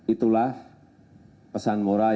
itulah pesan moral